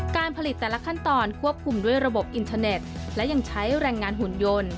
การผลิตแต่ละขั้นตอนควบคุมด้วยระบบอินเทอร์เน็ตและยังใช้แรงงานหุ่นยนต์